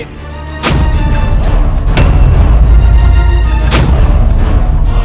apa yang sudah aku lakukan